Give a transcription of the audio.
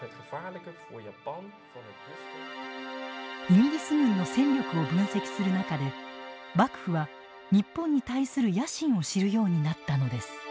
イギリス軍の戦力を分析する中で幕府は日本に対する野心を知るようになったのです。